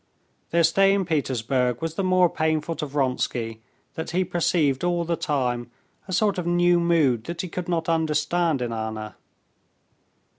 Their stay in Petersburg was the more painful to Vronsky that he perceived all the time a sort of new mood that he could not understand in Anna.